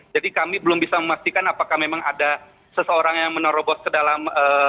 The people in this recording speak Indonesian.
jadi kami belum bisa memastikan apakah memang ada seseorang yang menerobos ke dalam